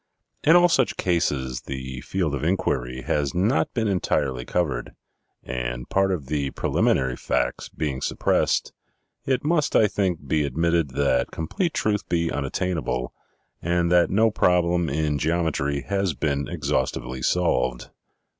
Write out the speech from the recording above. In all such cases, the field of inquiry has not been entirely covered; and part of the preliminary facts being suppressed, it must, I think, be admitted that complete truth be unattainable, and that no problem in geometry has been exhaustively solved."